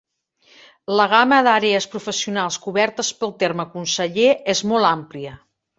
La gama d'àrees professionals cobertes pel terme "conseller" és molt amplia.